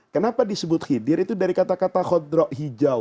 kenapa disebut khidir itu dari kata kata khadrak hijau